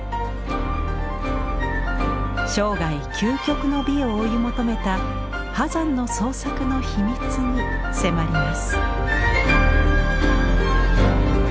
生涯究極の美を追い求めた波山の創作の秘密に迫ります。